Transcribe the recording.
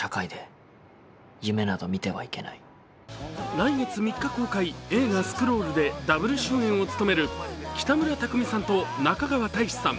来月３日公開、映画「スクロール」でダブル主演を務める北村匠海さんと中川大志さん。